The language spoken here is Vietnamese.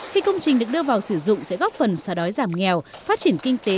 khi công trình được đưa vào sử dụng sẽ góp phần xóa đói giảm nghèo phát triển kinh tế